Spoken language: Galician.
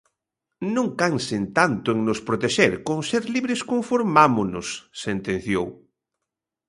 "Non cansen tanto en nos protexer, con ser libres conformámonos", sentenciou.